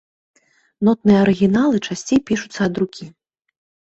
Нотныя арыгіналы часцей пішуцца ад рукі.